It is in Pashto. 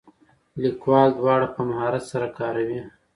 لیکوال دواړه په مهارت سره کاروي.